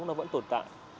nó vẫn tồn tại